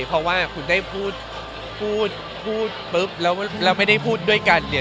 เพราะว่าคุณได้พูดพูดปุ๊บแล้วไม่ได้พูดด้วยกันเนี่ย